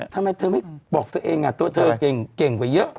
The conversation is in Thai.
ทำไมเธอไม่บอกตัวเองตัวเธอเก่งกว่าเยอะ